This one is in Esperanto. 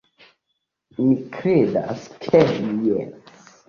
Mi kredas ke jes.